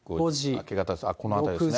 明け方、このあたりですね。